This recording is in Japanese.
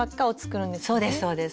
そうですそうです。